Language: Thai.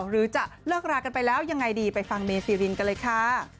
หรือจะเลิกรากันไปแล้วยังไงดีไปฟังเมซีรินกันเลยค่ะ